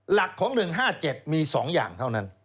หลักของ๑๕๗มี๒อย่างเท่านั้น